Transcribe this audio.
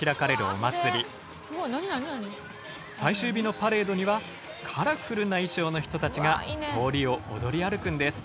最終日のパレードにはカラフルな衣装の人たちが通りを踊り歩くんです。